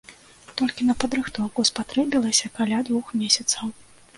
Толькі на падрыхтоўку спатрэбілася каля двух месяцаў.